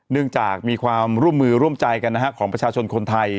เนื่องจากมีความร่วมมือร่วมใจกันนะฮะของประชาชนคนไทย